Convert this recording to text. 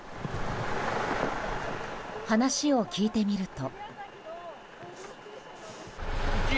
話を聞いてみると。